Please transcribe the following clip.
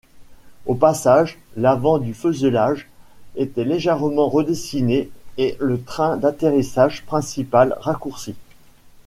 Au passage l’avant du fuselage était légèrement redessiné et le train d’atterrissage principal raccourci.